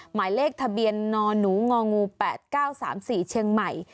หมายเลขทะเบียนนหนูงงู๘๙๓๔เชียงใหม่